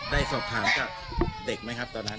ได้สอบถามกับเด็กไหมครับตอนนั้น